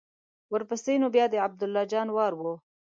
ورپسې نو بیا د عبدالله جان وار و.